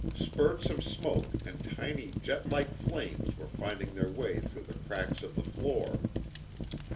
Spurts of smoke and tiny jet like flames were finding their way through the cracks of the floor.